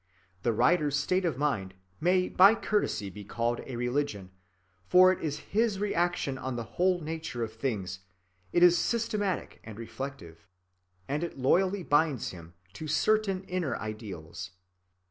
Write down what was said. The writer's state of mind may by courtesy be called a religion, for it is his reaction on the whole nature of things, it is systematic and reflective, and it loyally binds him to certain inner ideals.